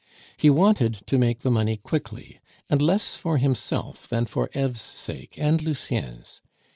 He wanted to make the money quickly, and less for himself than for Eve's sake and Lucien's.